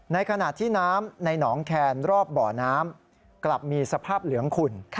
ในขณะที่น้ำในหนองแคนรอบบ่อน้ำกลับมีสภาพเหลืองขุ่น